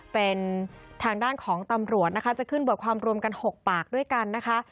เป็นทางด้านของตำรวจนะคะจะขึ้นบทความรวมกัน๖ปากด้วยกันนะคะ